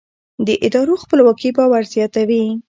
د ادارو خپلواکي باور زیاتوي